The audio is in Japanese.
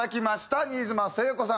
新妻聖子さん